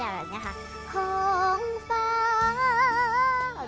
ฮงฟ้า